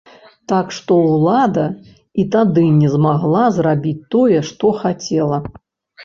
Так што ўлада і тады не змагла зрабіць тое, што хацела.